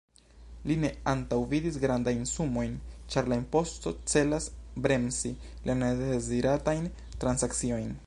Li ne antaŭvidis grandajn sumojn, ĉar la imposto celas bremsi la nedeziratajn transakciojn.